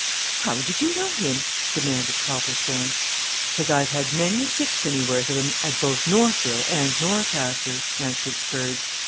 "How did you know him?" demanded Copplestone. "Cause I've had many a sixpenn'orth of him at both Northborough and Norcaster," answered Spurge.